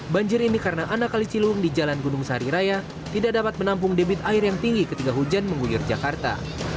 banjir ini karena anak kali cilung di jalan gunung sahari raya tidak dapat menampung debit air yang tinggi ketika hujan mengguyur jakarta